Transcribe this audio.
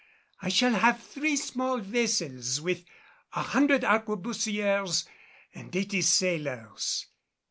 I shall have three small vessels with a hundred arquebusiers and eighty sailors.